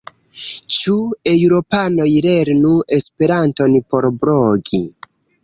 Ĉu eŭropanoj lernu Esperanton por blogi?